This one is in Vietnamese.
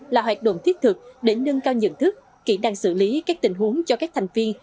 là hoạt động thiết thực để nâng cao nhận thức kỹ năng xử lý các tình huống cho các thành viên